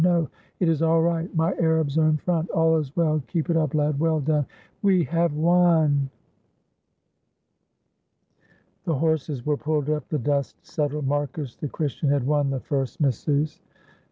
No — it is all right; my Arabs are in front! All is well, keep it up, lad, well done! We have won!" The horses were pulled up, the dust settled; Marcus, the Christian, had won the first missus.